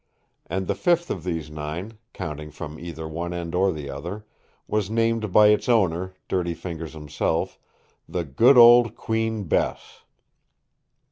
And the fifth of these nine, counting from either one end or the other, was named by its owner, Dirty Fingers himself, the Good Old Queen Bess.